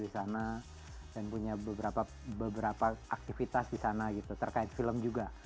di sana dan punya beberapa aktivitas di sana gitu terkait film juga